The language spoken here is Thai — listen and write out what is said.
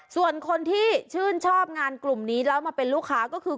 ส่วนคนที่ชื่นชอบงานกลุ่มนี้แล้วมาเป็นลูกค้าก็คือ